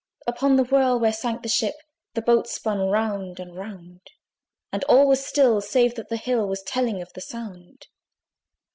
Upon the whirl, where sank the ship, The boat spun round and round; And all was still, save that the hill Was telling of the sound.